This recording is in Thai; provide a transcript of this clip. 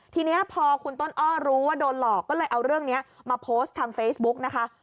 ทีนี้พอคุณต้นอ้อรู้ว่าโดนหลอกก็เลยเอาเรื่องนี้มาโพสต์ทางเฟซบุ๊กนะคะ